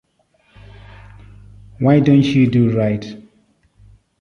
Why Don't You Do Right?